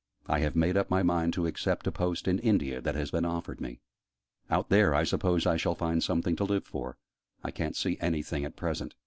I have made up my mind to accept a post in India, that has been offered me. Out there, I suppose I shall find something to live for; I ca'n't see anything at present.